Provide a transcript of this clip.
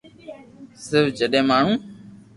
صرف جڏهن ماڻهو